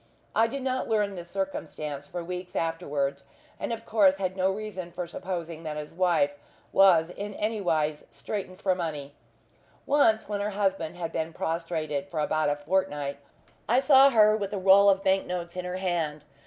I did not learn this circumstance for weeks afterwards, and of course had no reason for supposing that his wife was in anywise straitened for money. Once, when her husband had been prostrated for about a fortnight, I saw her with a roll of bank notes in her hand.